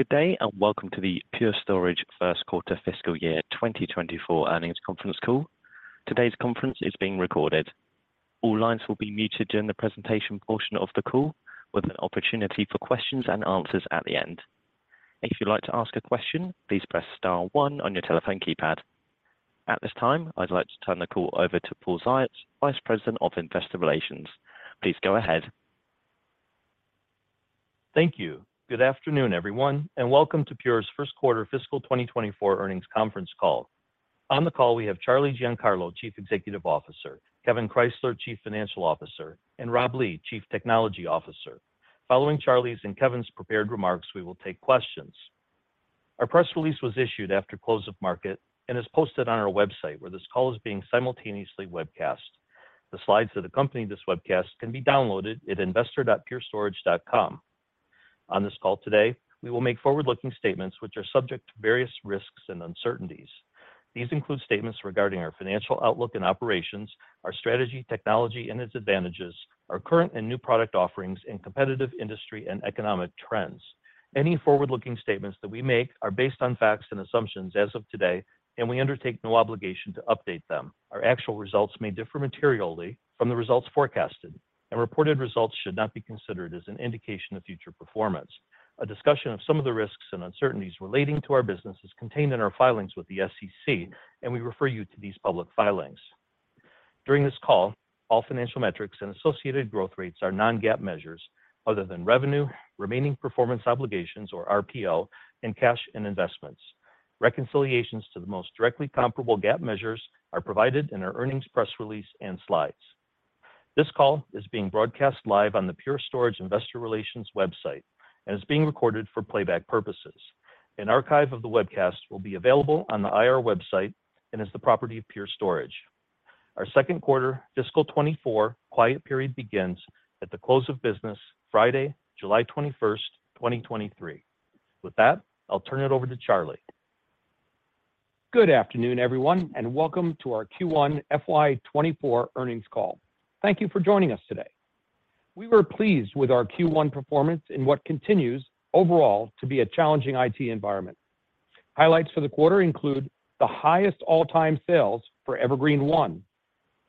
Good day, and welcome to the Pure Storage First Quarter Fiscal Year 2024 Earnings Conference Call. Today's conference is being recorded. All lines will be muted during the presentation portion of the call, with an opportunity for questions and answers at the end. If you'd like to ask a question, please press star one on your telephone keypad. At this time, I'd like to turn the call over to Paul Ziots, Vice President of Investor Relations. Please go ahead. Thank you. Good afternoon, everyone, welcome to Pure's First Quarter Fiscal 2024 Earnings Conference Call. On the call, we have Charlie Giancarlo, Chief Executive Officer, Kevan Krysler, Chief Financial Officer, and Rob Lee, Chief Technology Officer. Following Charlie's and Kevan's prepared remarks, we will take questions. Our press release was issued after close of market and is posted on our website, where this call is being simultaneously webcast. The slides that accompany this webcast can be downloaded at investor.purestorage.com. On this call today, we will make forward-looking statements which are subject to various risks and uncertainties. These include statements regarding our financial outlook and operations, our strategy, technology and its advantages, our current and new product offerings, and competitive industry and economic trends. Any forward-looking statements that we make are based on facts and assumptions as of today, and we undertake no obligation to update them. Our actual results may differ materially from the results forecasted, and reported results should not be considered as an indication of future performance. A discussion of some of the risks and uncertainties relating to our business is contained in our filings with the SEC, and we refer you to these public filings. During this call, all financial metrics and associated growth rates are non-GAAP measures other than revenue, remaining performance obligations, or RPO, and cash and investments. Reconciliations to the most directly comparable GAAP measures are provided in our earnings press release and slides. This call is being broadcast live on the Pure Storage Investor Relations website and is being recorded for playback purposes. An archive of the webcast will be available on the IR website and is the property of Pure Storage. Our second quarter fiscal 2024 quiet period begins at the close of business Friday, July 21st, 2023. With that, I'll turn it over to Charlie. Good afternoon, everyone, welcome to our Q1 FY 2024 earnings call. Thank you for joining us today. We were pleased with our Q1 performance in what continues overall to be a challenging IT environment. Highlights for the quarter include the highest all-time sales for Evergreen//One,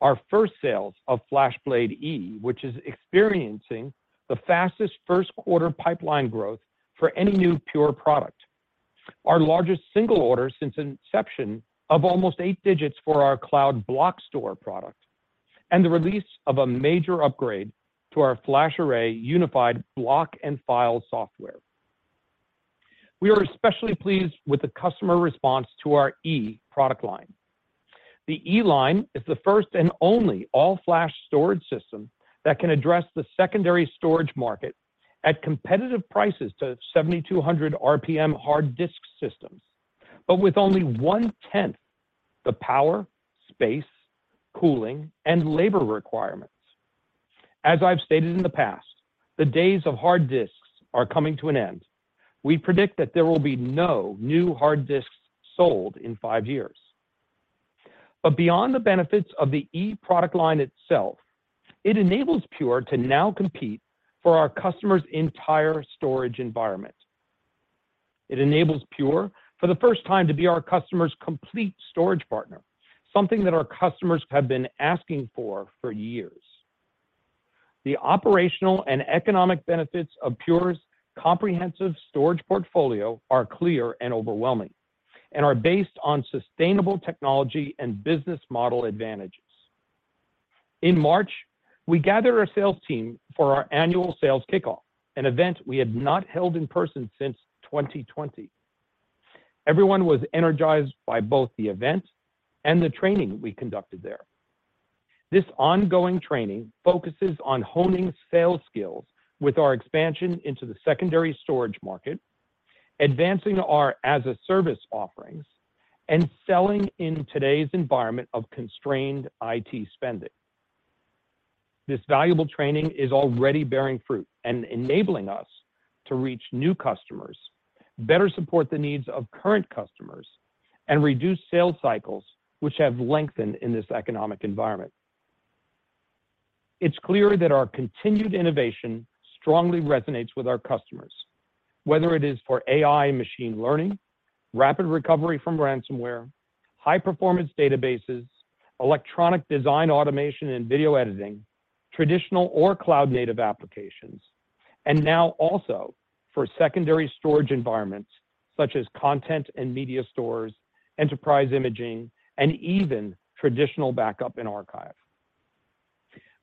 our first sales of FlashBlade//E, which is experiencing the fastest first quarter pipeline growth for any new Pure product, our largest single order since inception of almost eight digits for our Cloud Block Store product, and the release of a major upgrade to our FlashArray unified block and file software. We are especially pleased with the customer response to our E product line. The E line is the first and only all-flash storage system that can address the secondary storage market at competitive prices to 7,200 RPM hard disk systems, but with only 1/10 the power, space, cooling, and labor requirements. As I've stated in the past, the days of hard disks are coming to an end. We predict that there will be no new hard disks sold in 5 years. Beyond the benefits of the E product line itself, it enables Pure to now compete for our customers' entire storage environment. It enables Pure, for the first time, to be our customers' complete storage partner, something that our customers have been asking for for years. The operational and economic benefits of Pure's comprehensive storage portfolio are clear and overwhelming and are based on sustainable technology and business model advantages. In March, we gathered our sales team for our annual sales kickoff, an event we had not held in person since 2020. Everyone was energized by both the event and the training we conducted there. This ongoing training focuses on honing sales skills with our expansion into the secondary storage market, advancing our as-a-service offerings, and selling in today's environment of constrained IT spending. This valuable training is already bearing fruit and enabling us to reach new customers, better support the needs of current customers, and reduce sales cycles, which have lengthened in this economic environment. It's clear that our continued innovation strongly resonates with our customers, whether it is for AI machine learning, rapid recovery from ransomware, high-performance databases, electronic design automation and video editing, traditional or cloud-native applications, and now also for secondary storage environments such as content and media stores, enterprise imaging, and even traditional backup and archive.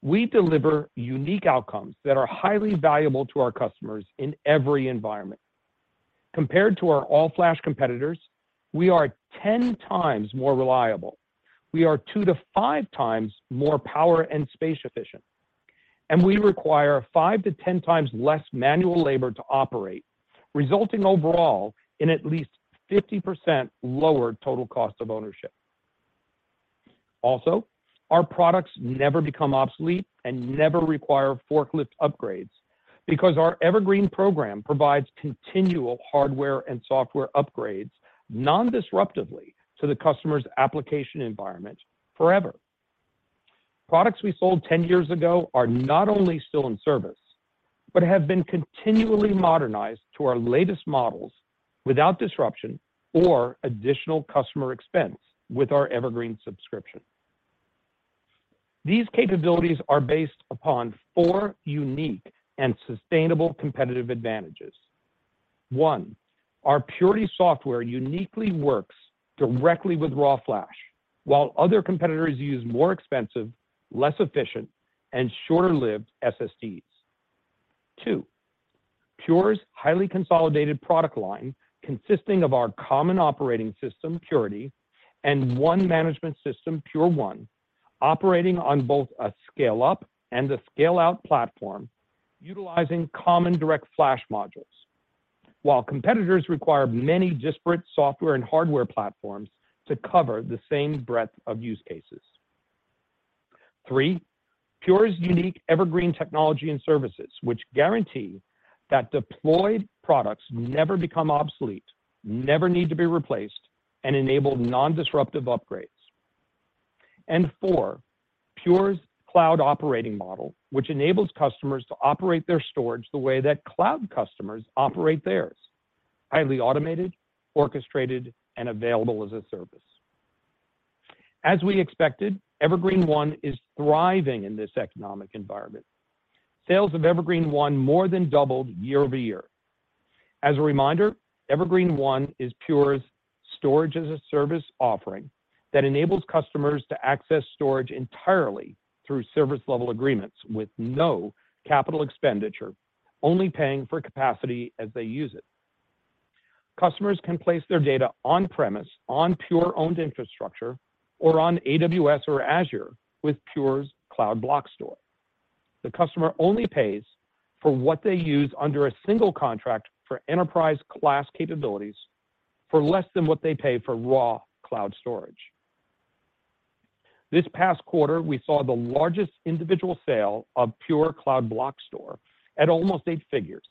We deliver unique outcomes that are highly valuable to our customers in every environment. Compared to our all-flash competitors, we are 10 times more reliable, we are 2 to 5 times more power and space efficient, and we require 5 to 10 times less manual labor to operate, resulting overall in at least 50% lower total cost of ownership. Our products never become obsolete and never require forklift upgrades because our Evergreen program provides continual hardware and software upgrades non-disruptively to the customer's application environment forever. Products we sold 10 years ago are not only still in service, but have been continually modernized to our latest models without disruption or additional customer expense with our Evergreen subscription. These capabilities are based upon 4 unique and sustainable competitive advantages. 1, our Purity software uniquely works directly with raw flash, while other competitors use more expensive, less efficient, and shorter-lived SSDs. 2, Pure's highly consolidated product line, consisting of our common operating system, Purity, and one management system, Pure1, operating on both a scale-up and a scale-out platform, utilizing common DirectFlash Modules, while competitors require many disparate software and hardware platforms to cover the same breadth of use cases. 3, Pure's unique Evergreen technology and services, which guarantee that deployed products never become obsolete, never need to be replaced, and enable non-disruptive upgrades. Four, Pure's cloud operating model, which enables customers to operate their storage the way that cloud customers operate theirs: highly automated, orchestrated, and available as a service. As we expected, Evergreen//One is thriving in this economic environment. Sales of Evergreen//One more than doubled year-over-year. As a reminder, Evergreen//One is Pure's storage-as-a-service offering that enables customers to access storage entirely through service-level agreements with no capital expenditure, only paying for capacity as they use it. Customers can place their data on-premise, on Pure-owned infrastructure, or on AWS or Azure with Pure's Cloud Block Store. The customer only pays for what they use under a single contract for enterprise-class capabilities for less than what they pay for raw cloud storage. This past quarter, we saw the largest individual sale of Pure Cloud Block Store at almost 8 figures.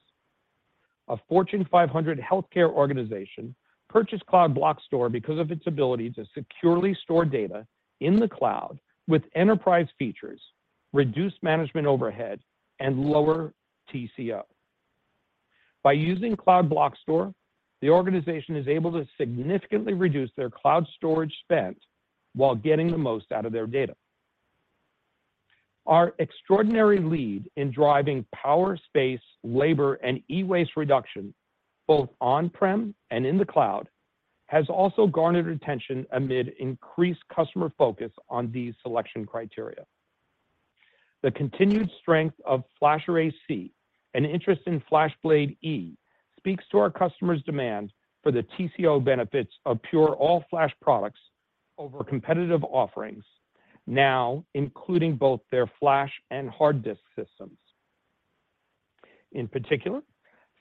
A Fortune 500 healthcare organization purchased Cloud Block Store because of its ability to securely store data in the cloud with enterprise features, reduce management overhead, and lower TCO. By using Cloud Block Store, the organization is able to significantly reduce their cloud storage spent while getting the most out of their data. Our extraordinary lead in driving power, space, labor, and e-waste reduction, both on-prem and in the cloud, has also garnered attention amid increased customer focus on these selection criteria. The continued strength of FlashArray//C and interest in FlashBlade//E speaks to our customers' demand for the TCO benefits of Pure all-flash products over competitive offerings, now including both their flash and hard disk systems. In particular,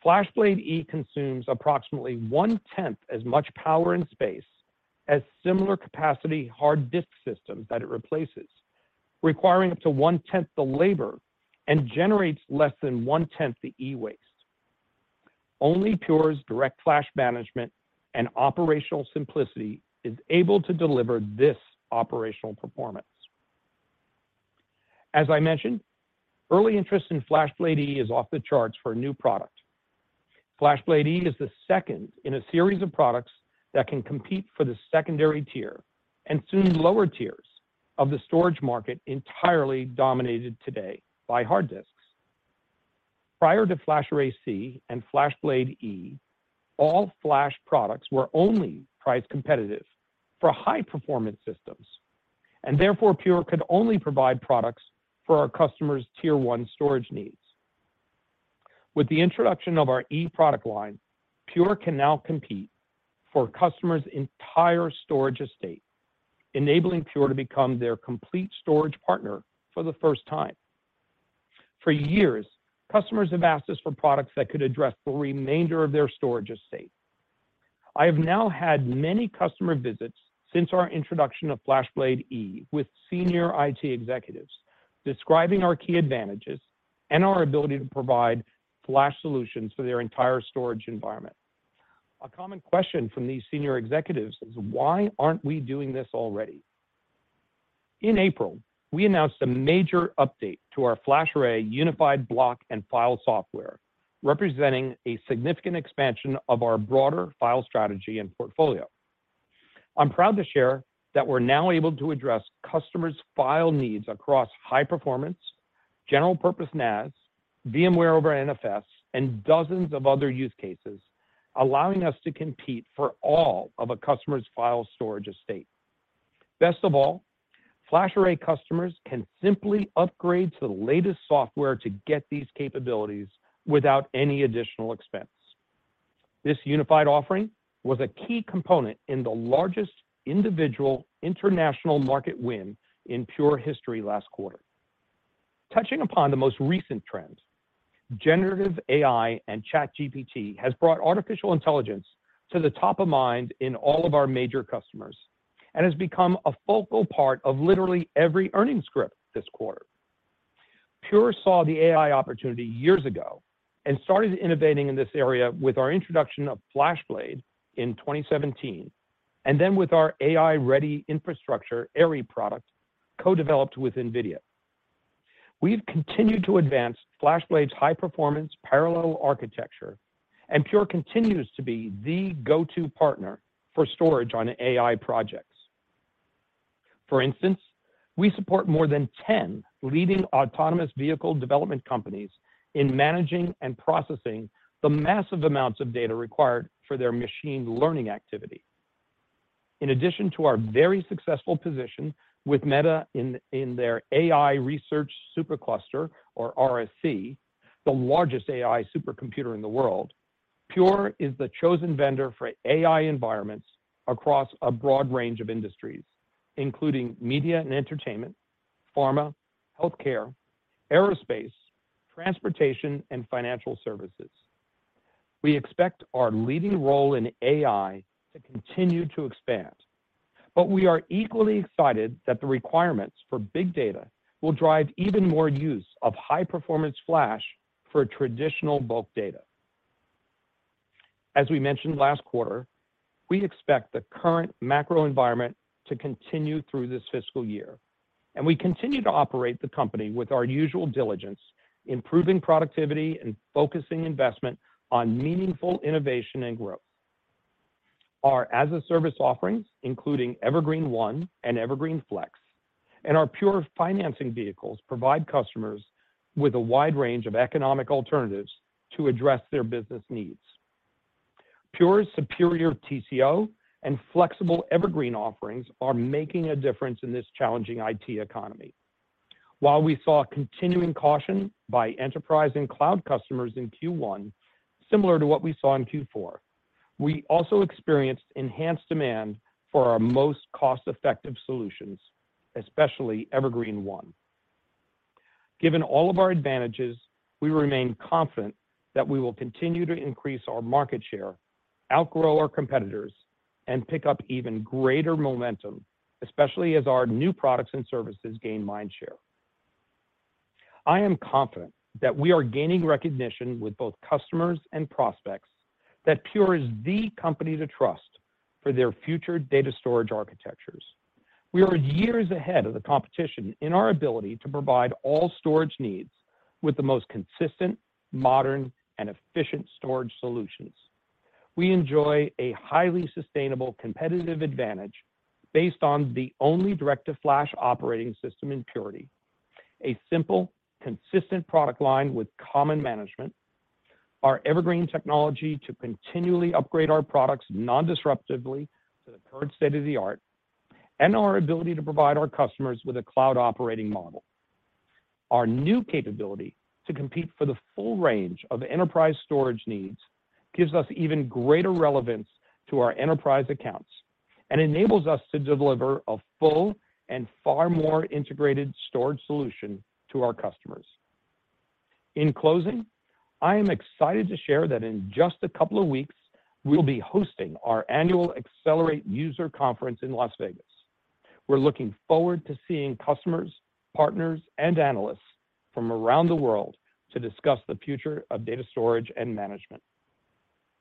FlashBlade//E consumes approximately one-tenth as much power and space as similar capacity hard disk systems that it replaces, requiring up to one-tenth the labor and generates less than one-tenth the e-waste. Only Pure's direct flash management and operational simplicity is able to deliver this operational performance. As I mentioned, early interest in FlashBlade//E is off the charts for a new product. FlashBlade//E is the second in a series of products that can compete for the secondary tier and soon lower tiers of the storage market entirely dominated today by hard disks. Prior to FlashArray//C and FlashBlade//E, all flash products were only price competitive for high-performance systems, and therefore, Pure could only provide products for our customers' Tier 1 storage needs. With the introduction of our E product line, Pure can now compete for customers' entire storage estate, enabling Pure to become their complete storage partner for the first time. For years, customers have asked us for products that could address the remainder of their storage estate. I have now had many customer visits since our introduction of FlashBlade//E with senior IT executives, describing our key advantages and our ability to provide flash solutions for their entire storage environment. A common question from these senior executives is: Why aren't we doing this already? In April, we announced a major update to our FlashArray unified block and file software, representing a significant expansion of our broader file strategy and portfolio. I'm proud to share that we're now able to address customers' file needs across high performance, general-purpose NAS, VMware over NFS, and dozens of other use cases, allowing us to compete for all of a customer's file storage estate. Best of all, FlashArray customers can simply upgrade to the latest software to get these capabilities without any additional expense. This unified offering was a key component in the largest individual international market win in Pure history last quarter. Touching upon the most recent trends, generative AI and ChatGPT has brought artificial intelligence to the top of mind in all of our major customers and has become a focal part of literally every earnings script this quarter. Pure saw the AI opportunity years ago and started innovating in this area with our introduction of FlashBlade in 2017, and then with our AI-ready infrastructure, AIRI product, co-developed with NVIDIA. We've continued to advance FlashBlade's high-performance parallel architecture, and Pure continues to be the go-to partner for storage on AI projects. For instance, we support more than 10 leading autonomous vehicle development companies in managing and processing the massive amounts of data required for their machine learning activity. In addition to our very successful position with Meta in their AI Research SuperCluster, or RSC, the largest AI supercomputer in the world, Pure is the chosen vendor for AI environments across a broad range of industries, including media and entertainment, pharma, healthcare, aerospace, transportation, and financial services. We expect our leading role in AI to continue to expand, but we are equally excited that the requirements for big data will drive even more use of high-performance Flash for traditional bulk data. As we mentioned last quarter, we expect the current macro environment to continue through this fiscal year, and we continue to operate the company with our usual diligence, improving productivity and focusing investment on meaningful innovation and growth. Our as-a-service offerings, including Evergreen//One and Evergreen//Flex, and our Pure Financing vehicles provide customers with a wide range of economic alternatives to address their business needs. Pure's superior TCO and flexible Evergreen offerings are making a difference in this challenging IT economy. While we saw continuing caution by enterprise and cloud customers in Q1, similar to what we saw in Q4, we also experienced enhanced demand for our most cost-effective solutions, especially Evergreen//One. Given all of our advantages, we remain confident that we will continue to increase our market share, outgrow our competitors, and pick up even greater momentum, especially as our new products and services gain mind share. I am confident that we are gaining recognition with both customers and prospects that Pure is the company to trust for their future data storage architectures. We are years ahead of the competition in our ability to provide all storage needs with the most consistent, modern, and efficient storage solutions. We enjoy a highly sustainable competitive advantage based on the only direct-to-flash operating system in Purity, a simple, consistent product line with common management, our Evergreen technology to continually upgrade our products non-disruptively to the current state-of-the-art, and our ability to provide our customers with a cloud operating model. Our new capability to compete for the full range of enterprise storage needs gives us even greater relevance to our enterprise accounts and enables us to deliver a full and far more integrated storage solution to our customers. In closing, I am excited to share that in just a couple of weeks, we'll be hosting our annual Pure//Accelerate user conference in Las Vegas. We're looking forward to seeing customers, partners, and analysts from around the world to discuss the future of data storage and management.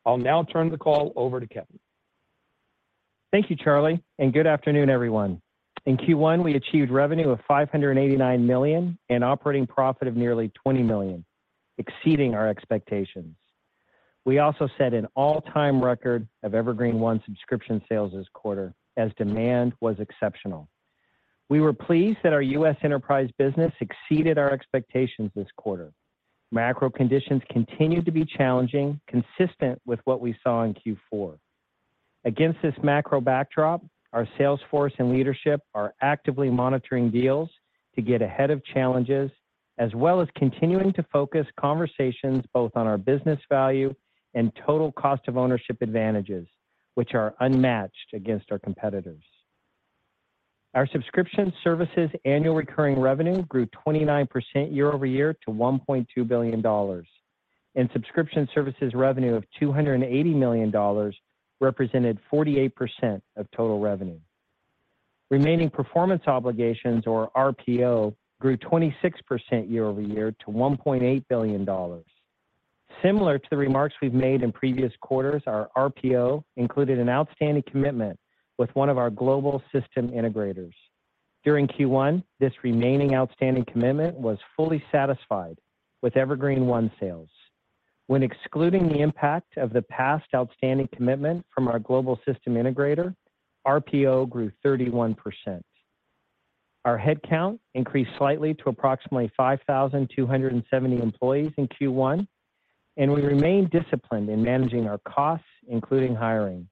I'll now turn the call over to Kevan. Thank you, Charlie. Good afternoon, everyone. In Q1, we achieved revenue of $589 million and operating profit of nearly $20 million, exceeding our expectations. We also set an all-time record of Evergreen//One subscription sales this quarter, as demand was exceptional. We were pleased that our U.S. enterprise business exceeded our expectations this quarter. Macro conditions continued to be challenging, consistent with what we saw in Q4. Against this macro backdrop, our sales force and leadership are actively monitoring deals to get ahead of challenges, as well as continuing to focus conversations both on our business value and total cost of ownership advantages, which are unmatched against our competitors. Our subscription services annual recurring revenue grew 29% year-over-year to $1.2 billion, and subscription services revenue of $280 million represented 48% of total revenue. Remaining performance obligations, or RPO, grew 26% year-over-year to $1.8 billion. Similar to the remarks we've made in previous quarters, our RPO included an outstanding commitment with one of our global system integrators. During Q1, this remaining outstanding commitment was fully satisfied with Evergreen//One sales. When excluding the impact of the past outstanding commitment from our global system integrator, RPO grew 31%. Our headcount increased slightly to approximately 5,270 employees in Q1. We remain disciplined in managing our costs, including hiring.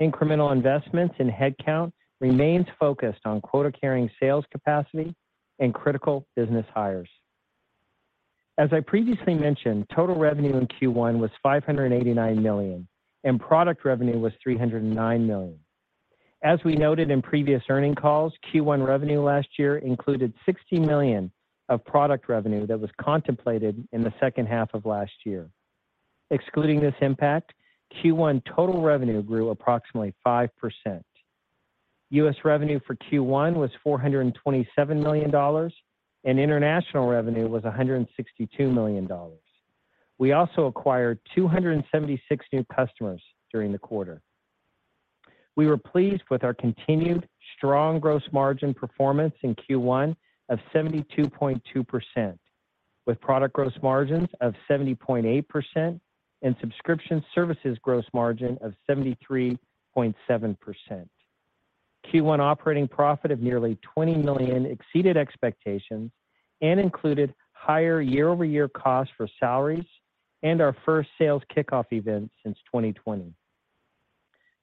Incremental investments in headcount remains focused on quota-carrying sales capacity and critical business hires. As I previously mentioned, total revenue in Q1 was $589 million, and product revenue was $309 million. As we noted in previous earnings calls, Q1 revenue last year included $60 million of product revenue that was contemplated in the second half of last year. Excluding this impact, Q1 total revenue grew approximately 5%. U.S. revenue for Q1 was $427 million, and international revenue was $162 million. We also acquired 276 new customers during the quarter. We were pleased with our continued strong gross margin performance in Q1 of 72.2%, with product gross margins of 70.8% and subscription services gross margin of 73.7%. Q1 operating profit of nearly $20 million exceeded expectations and included higher year-over-year costs for salaries and our first sales kickoff event since 2020.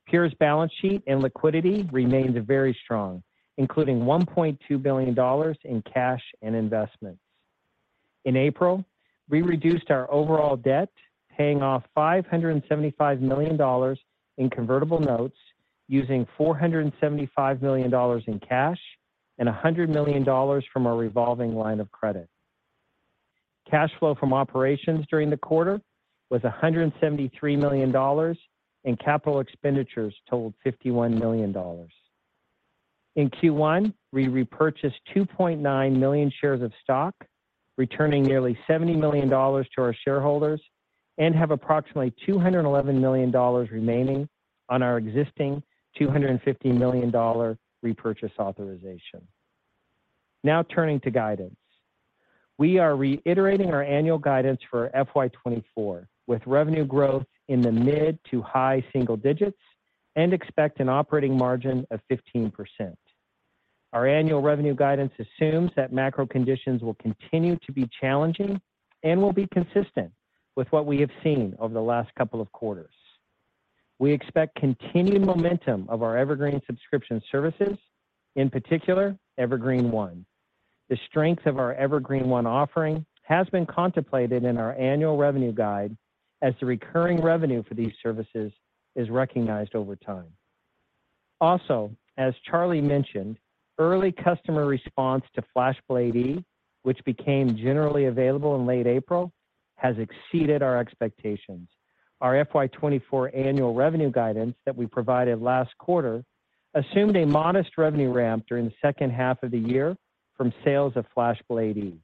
Pure's balance sheet and liquidity remained very strong, including $1.2 billion in cash and investments. In April, we reduced our overall debt, paying off $575 million in convertible notes, using $475 million in cash and $100 million from our revolving line of credit. Cash flow from operations during the quarter was $173 million, and capital expenditures totaled $51 million. In Q1, we repurchased 2.9 million shares of stock, returning nearly $70 million to our shareholders, and have approximately $211 million remaining on our existing $250 million repurchase authorization. Turning to guidance. We are reiterating our annual guidance for FY24, with revenue growth in the mid to high single digits and expect an operating margin of 15%. Our annual revenue guidance assumes that macro conditions will continue to be challenging and will be consistent with what we have seen over the last couple of quarters. We expect continued momentum of our Evergreen subscription services, in particular, Evergreen//One. The strength of our Evergreen//One offering has been contemplated in our annual revenue guide as the recurring revenue for these services is recognized over time. Also, as Charlie mentioned, early customer response to FlashBlade//E, which became generally available in late April, has exceeded our expectations. Our FY 2024 annual revenue guidance that we provided last quarter assumed a modest revenue ramp during the second half of the year from sales of FlashBlade//E.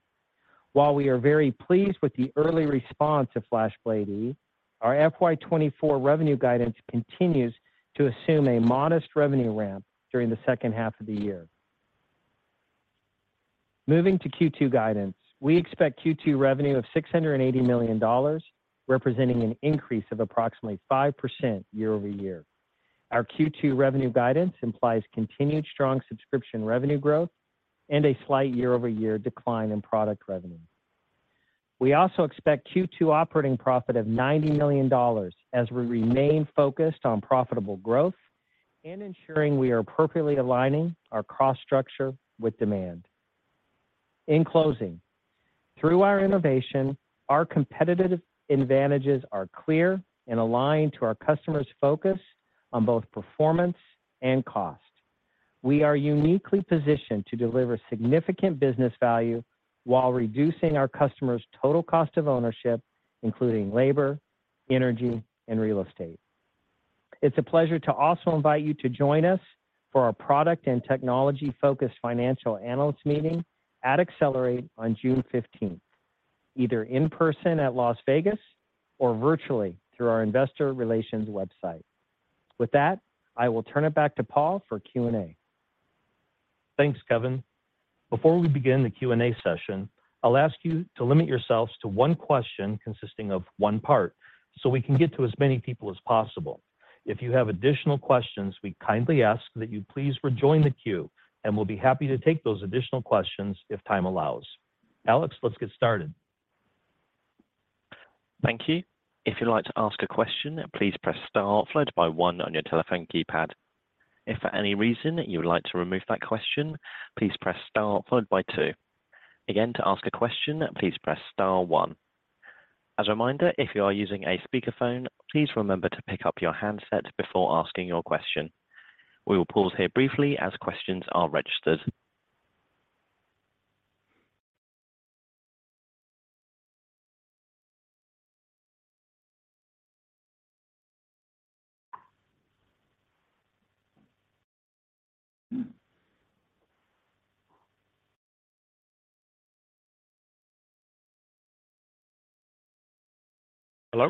While we are very pleased with the early response to FlashBlade//E, our FY 2024 revenue guidance continues to assume a modest revenue ramp during the second half of the year. Moving to Q2 guidance. We expect Q2 revenue of $680 million, representing an increase of approximately 5% year-over-year. Our Q2 revenue guidance implies continued strong subscription revenue growth and a slight year-over-year decline in product revenue. We also expect Q2 operating profit of $90 million as we remain focused on profitable growth and ensuring we are appropriately aligning our cost structure with demand. In closing, through our innovation, our competitive advantages are clear and aligned to our customer's focus on both performance and cost. We are uniquely positioned to deliver significant business value while reducing our customers' total cost of ownership, including labor, energy, and real estate. It's a pleasure to also invite you to join us for our product and technology-focused financial analyst meeting at Pure//Accelerate on June 15th, either in person at Las Vegas or virtually through our investor relations website. With that, I will turn it back to Paul for Q&A. Thanks, Kevan. Before we begin the Q&A session, I'll ask you to limit yourselves to one question consisting of one part, so we can get to as many people as possible. If you have additional questions, we kindly ask that you please rejoin the queue, and we'll be happy to take those additional questions if time allows. Alex, let's get started. Thank you. If you'd like to ask a question, please press star followed by one on your telephone keypad. If for any reason you would like to remove that question, please press star followed by two. Again, to ask a question, please press star one. As a reminder, if you are using a speakerphone, please remember to pick up your handset before asking your question. We will pause here briefly as questions are registered. Hello?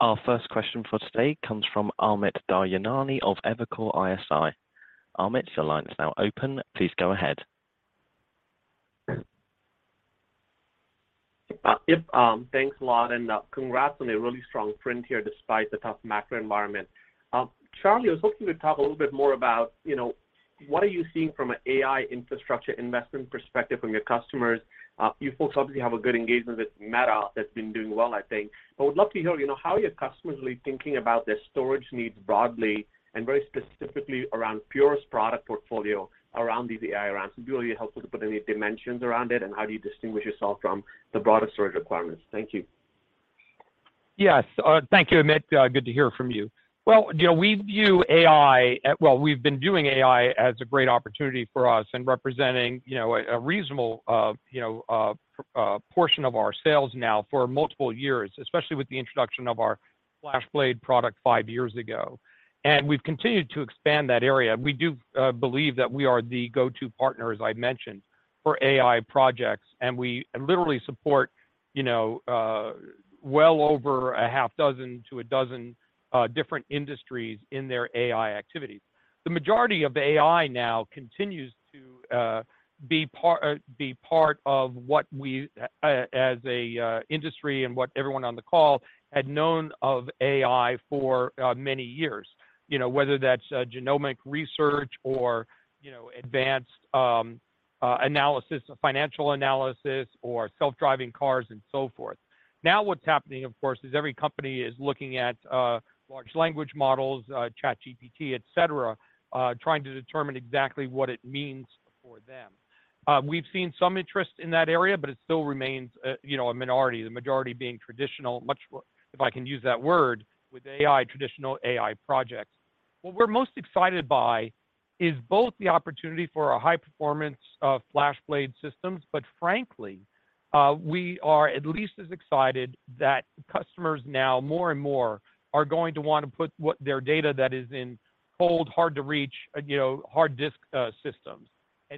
Our first question for today comes from Amit Daryanani of Evercore ISI. Amit, your line is now open. Please go ahead. Yep, thanks a lot, congrats on a really strong print here, despite the tough macro environment. Charlie, I was hoping to talk a little bit more about, you know, what are you seeing from an AI infrastructure investment perspective from your customers? You folks obviously have a good engagement with Meta, that's been doing well, I think. I would love to hear, you know, how are your customers really thinking about their storage needs broadly, and very specifically around Pure's product portfolio, around the AI ramps. It'd be really helpful to put any dimensions around it, and how do you distinguish yourself from the broader storage requirements? Thank you. Yes. Thank you, Amit. Good to hear from you. Well, you know, we've been viewing AI as a great opportunity for us and representing, you know, a reasonable portion of our sales now for multiple years, especially with the introduction of our FlashBlade product five years ago. We've continued to expand that area. We do believe that we are the go-to partner, as I mentioned.... for AI projects, and we literally support, you know, well over a half dozen to a dozen different industries in their AI activities. The majority of AI now continues to be part of what we as a industry and what everyone on the call had known of AI for many years. You know, whether that's genomic research or, you know, advanced analysis, financial analysis or self-driving cars, and so forth. What's happening, of course, is every company is looking at large language models, ChatGPT, et cetera, trying to determine exactly what it means for them. We've seen some interest in that area, but it still remains a, you know, a minority, the majority being traditional, much more, if I can use that word, with AI traditional AI projects. What we're most excited by is both the opportunity for a high performance of FlashBlade systems, but frankly, we are at least as excited that customers now more and more are going to want to put what their data that is in cold, hard to reach, you know, hard disk systems.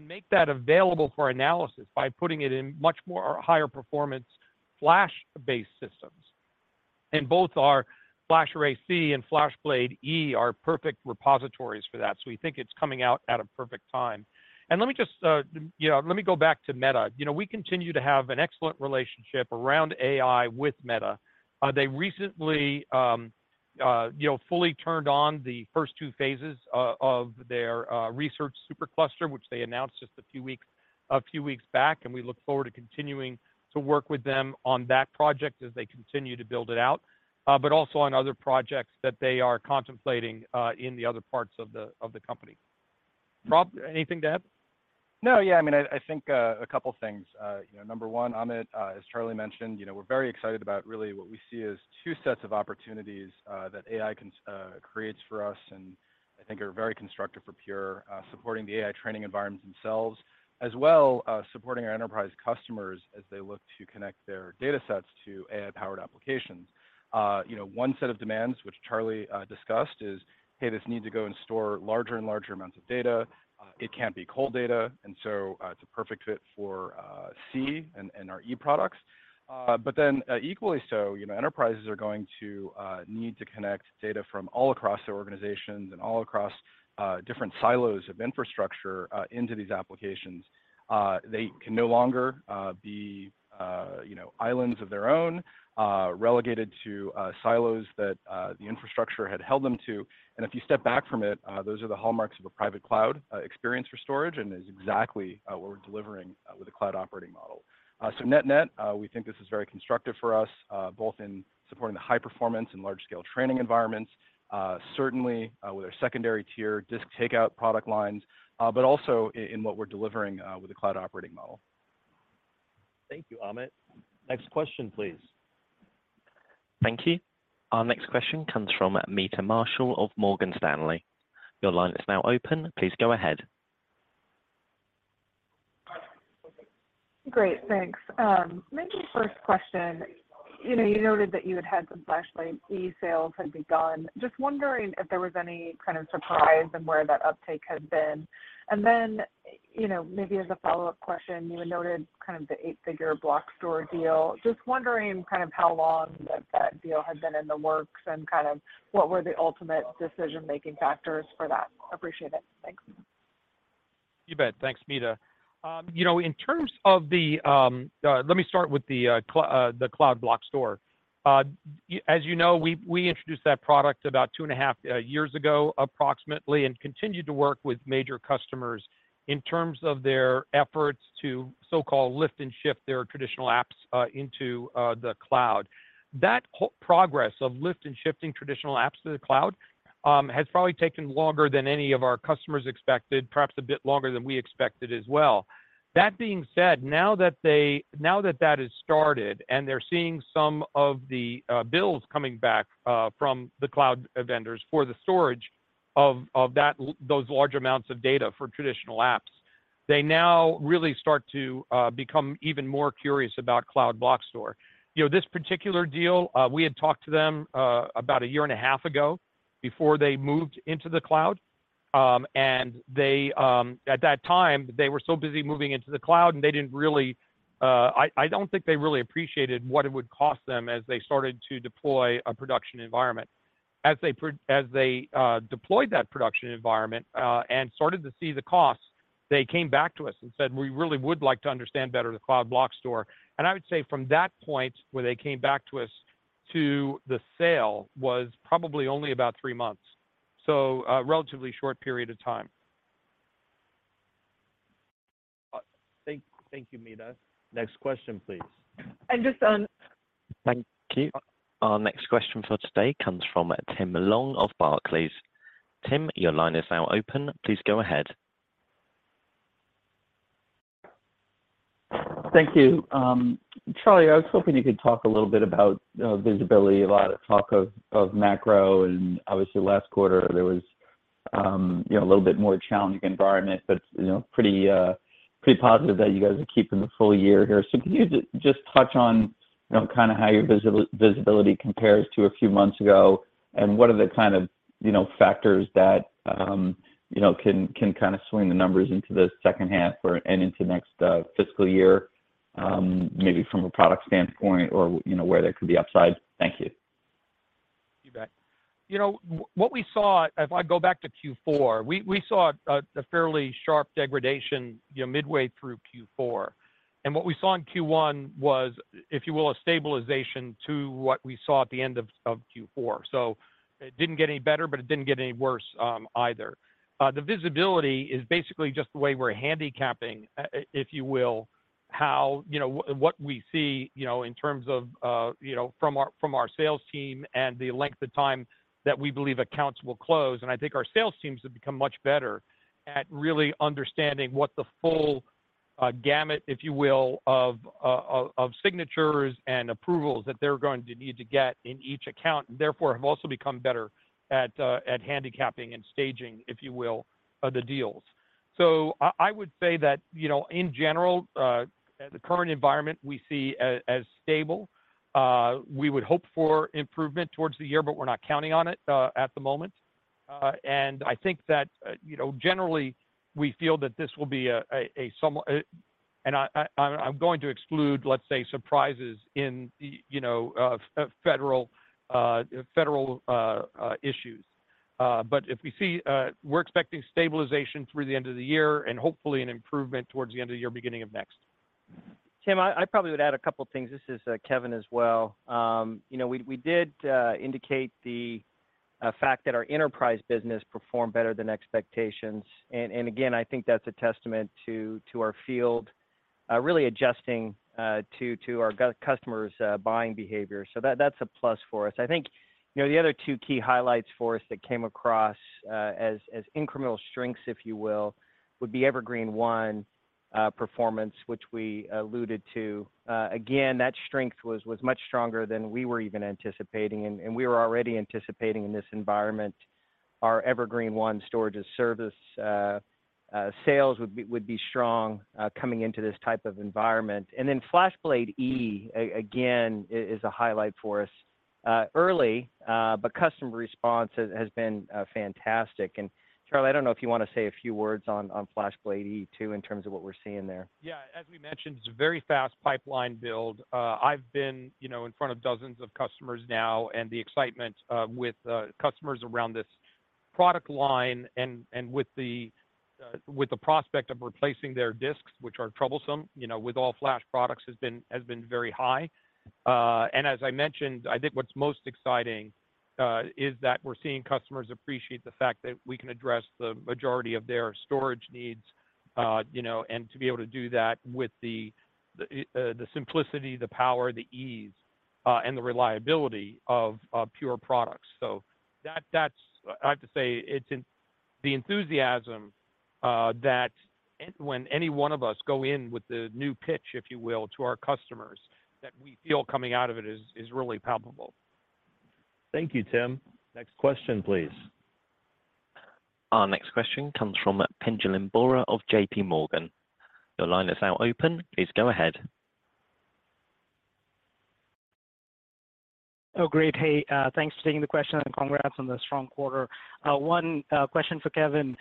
Make that available for analysis by putting it in much more higher performance flash-based systems. Both our FlashArray//C and FlashBlade//E are perfect repositories for that, so we think it's coming out at a perfect time. Let me just, you know, let me go back to Meta. You know, we continue to have an excellent relationship around AI with Meta. They recently, you know, fully turned on the first two phases of their research supercluster, which they announced just a few weeks back, and we look forward to continuing to work with them on that project as they continue to build it out, but also on other projects that they are contemplating in the other parts of the company. Rob, anything to add? I mean, I think, a couple things. You know, number one, Amit, as Charlie mentioned, you know, we're very excited about really what we see as two sets of opportunities that AI creates for us and I think are very constructive for Pure, supporting the AI training environments themselves, as well, supporting our enterprise customers as they look to connect their data sets to AI-powered applications. You know, one set of demands, which Charlie discussed, is, hey, this need to go and store larger and larger amounts of data. It can't be cold data, and so, it's a perfect fit for C and our E products. Equally so, you know, enterprises are going to need to connect data from all across their organizations and all across different silos of infrastructure into these applications. They can no longer be, you know, islands of their own, relegated to silos that the infrastructure had held them to. If you step back from it, those are the hallmarks of a private cloud experience for storage, and is exactly what we're delivering with a cloud operating model. Net-net, we think this is very constructive for us, both in supporting the high performance and large-scale training environments, certainly, with our secondary tier disk takeout product lines, but also in what we're delivering with the cloud operating model. Thank you, Amit. Next question, please. Thank you. Our next question comes from Meta Marshall of Morgan Stanley. Your line is now open. Please go ahead. Great, thanks. maybe first question, you know, you noted that you had had some FlashBlade//E sales had begun. Just wondering if there was any kind of surprise and where that uptake had been. you know, maybe as a follow-up question, you had noted kind of the 8-figure Cloud Block Store deal. Just wondering kind of how long that deal had been in the works, and kind of what were the ultimate decision-making factors for that? Appreciate it. Thanks. You bet. Thanks, Meta. you know, in terms of the. Let me start with the Cloud Block Store. as you know, we introduced that product about 2.5 years ago, approximately, and continued to work with major customers in terms of their efforts to so-called lift and shift their traditional apps into the cloud. That progress of lift and shifting traditional apps to the cloud has probably taken longer than any of our customers expected, perhaps a bit longer than we expected as well. That being said, now that that has started, and they're seeing some of the bills coming back from the cloud vendors for the storage of those large amounts of data for traditional apps, they now really start to become even more curious about Cloud Block Store. You know, this particular deal, we had talked to them about 1.5 years ago before they moved into the cloud. They, at that time, they were so busy moving into the cloud, and they didn't really. I don't think they really appreciated what it would cost them as they started to deploy a production environment. As they deployed that production environment and started to see the costs, they came back to us and said, "We really would like to understand better the Cloud Block Store." I would say from that point, when they came back to us to the sale, was probably only about 3 months, so a relatively short period of time. Thank you, Meta. Next question, please. Thank you. Our next question for today comes from Tim Long of Barclays. Tim, your line is now open. Please go ahead. Thank you. Charlie, I was hoping you could talk a little bit about visibility. A lot of talk of macro, and obviously, last quarter, there was, you know, a little bit more challenging environment, but, you know, pretty positive that you guys are keeping the full year here. Could you just touch on, you know, kind of how your visibility compares to a few months ago? What are the kind of, you know, factors that, you know, can kind of swing the numbers into the second half or, and into next fiscal year, maybe from a product standpoint or, you know, where there could be upsides? Thank you. You bet. You know, what we saw, if I go back to Q4, we saw a fairly sharp degradation, you know, midway through Q4. What we saw in Q1 was, if you will, a stabilization to what we saw at the end of Q4. It didn't get any better, but it didn't get any worse, either. The visibility is basically just the way we're handicapping, if you will, how, you know, what we see, you know, in terms of, you know, from our sales team and the length of time that we believe accounts will close. I think our sales teams have become much better at really understanding what the full gamut, if you will, of signatures and approvals that they're going to need to get in each account, and therefore have also become better at handicapping and staging, if you will, the deals. I would say that, you know, in general, the current environment we see as stable. We would hope for improvement towards the year, but we're not counting on it at the moment. I think that, you know, generally, we feel that this will be a somewhat, and I'm going to exclude, let's say, surprises in the, you know, federal issues. If we see... We're expecting stabilization through the end of the year, and hopefully an improvement towards the end of the year, beginning of next. Tim, I probably would add a couple things. This is Kevan as well. You know, we did indicate the fact that our enterprise business performed better than expectations. Again, I think that's a testament to our field really adjusting to our customers' buying behavior. That's a plus for us. I think, you know, the other two key highlights for us that came across as incremental strengths, if you will, would be Evergreen//One performance, which we alluded to. Again, that strength was much stronger than we were even anticipating, and we were already anticipating in this environment our Evergreen//One storage-as-a-service sales would be strong coming into this type of environment. FlashBlade//E, again, is a highlight for us. Early, but customer response has been fantastic. Charlie, I don't know if you want to say a few words on FlashBlade//E, too, in terms of what we're seeing there. Yeah. As we mentioned, it's a very fast pipeline build. I've been, you know, in front of dozens of customers now, the excitement with customers around this product line and with the prospect of replacing their disks, which are troublesome, you know, with all flash products, has been very high. As I mentioned, I think what's most exciting is that we're seeing customers appreciate the fact that we can address the majority of their storage needs, you know, and to be able to do that with the simplicity, the power, the ease, and the reliability of Pure products. That's I have to say it's the enthusiasm, that when any one of us go in with the new pitch, if you will, to our customers, that we feel coming out of it is really palpable. Thank you, Tim. Next question, please. Our next question comes from Pinjalim Bora of JPMorgan. Your line is now open. Please go ahead. Great. Hey, thanks for taking the question, and congrats on the strong quarter. One question for Kevan.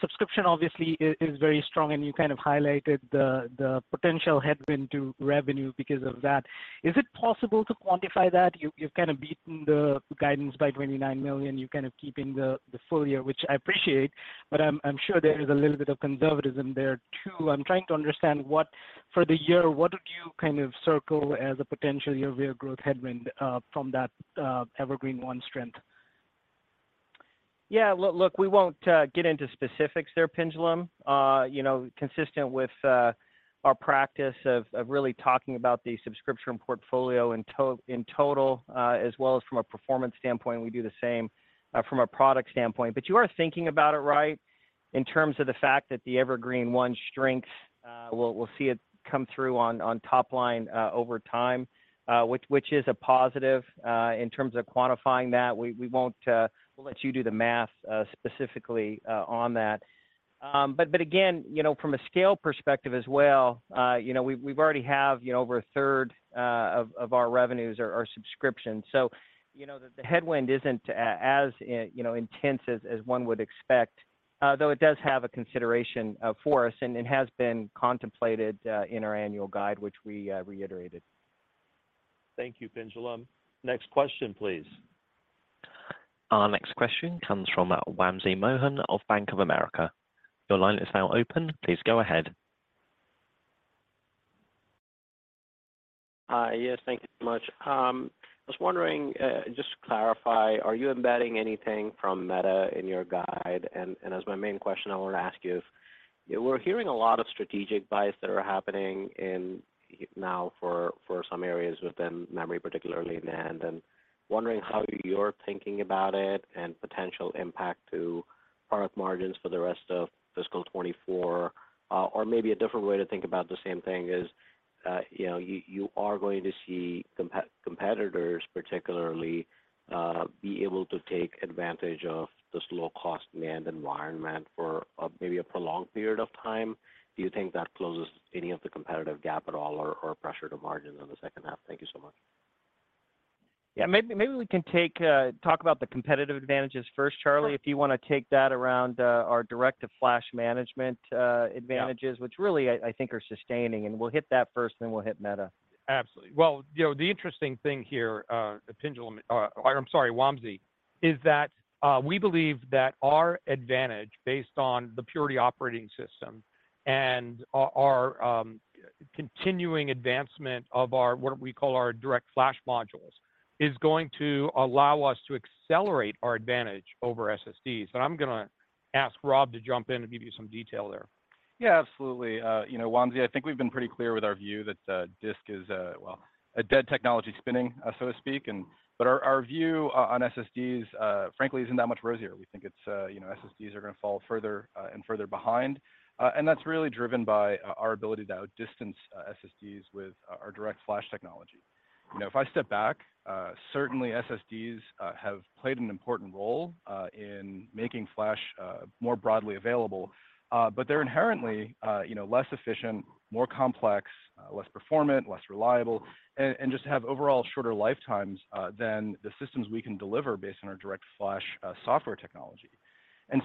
Subscription obviously is very strong, and you kind of highlighted the potential headwind to revenue because of that. Is it possible to quantify that? You've kind of beaten the guidance by $29 million. You're kind of keeping the full year, which I appreciate, but I'm sure there is a little bit of conservatism there too. I'm trying to understand what for the year, what would you kind of circle as a potential year-over-year growth headwind from that Evergreen//One strength? Yeah, look, we won't get into specifics there, Pinjalim. You know, consistent with our practice of really talking about the subscription portfolio in total, as well as from a performance standpoint, we do the same from a product standpoint. You are thinking about it right, in terms of the fact that the Evergreen//One strengths, we'll see it come through on top line over time, which is a positive. In terms of quantifying that, we won't. We'll let you do the math specifically on that. But again, you know, from a scale perspective as well, you know, we've already have, you know, over a third of our revenues are subscriptions. You know, the headwind isn't as, you know, intense as one would expect, though it does have a consideration for us, and it has been contemplated in our annual guide, which we reiterated. Thank you, Pinjalim. Next question, please. Our next question comes from Wamsi Mohan of Bank of America. Your line is now open. Please go ahead. Hi, yes, thank you so much. I was wondering, just to clarify, are you embedding anything from Meta in your guide? As my main question, I want to ask you. We're hearing a lot of strategic buys that are happening in, now for some areas within memory, particularly NAND, and wondering how you're thinking about it and potential impact to product margins for the rest of fiscal 2024. Or maybe a different way to think about the same thing is, you know, you are going to see competitors, particularly, be able to take advantage of this low-cost NAND environment for, maybe a prolonged period of time. Do you think that closes any of the competitive gap at all or pressure to margins on the second half? Thank you so much. Yeah, maybe we can talk about the competitive advantages first, Charlie. Sure. If you want to take that around, our direct to flash management, advantages- Yeah which really I think are sustaining, and we'll hit that first, then we'll hit Meta. Absolutely. Well, you know, the interesting thing here, Pinjalim, I'm sorry, Wamsi, is that we believe that our advantage based on the Purity operating system and our continuing advancement of our, what we call our DirectFlash Modules, is going to allow us to accelerate our advantage over SSDs. I'm gonna ask Rob to jump in and give you some detail there. Yeah, absolutely. You know, Wamsi, I think we've been pretty clear with our view that disk is, well, a dead technology spinning, so to speak. But our view on SSDs, frankly, isn't that much rosier. We think it's, you know, SSDs are gonna fall further and further behind, and that's really driven by our ability to outdistance SSDs with our direct flash technology. You know, if I step back, certainly SSDs have played an important role in making flash more broadly available. But they're inherently, you know, less efficient, more complex, less performant, less reliable, and just have overall shorter lifetimes than the systems we can deliver based on our direct flash software technology.